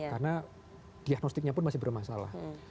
karena diagnostiknya pun masih bermasalah